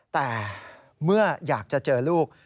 แต่เมื่ออยากจะเจอลูก